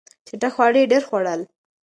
چټک خواړه یې ډېر خوړل.